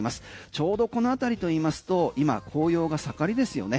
ちょうどこの辺りといいますと今、紅葉が盛りですよね。